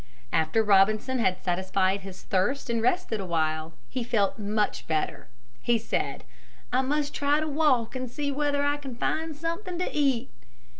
After Robinson had satisfied his thirst and rested awhile, he felt much better. He said, "I must try to walk and see whether I can find something to eat."